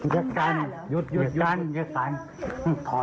อย่ากันอย่ากันอย่ากัน